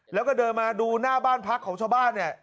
แล้วก็เดินมาดูหน้าบ้านพักของชาวบ้านเนี่ย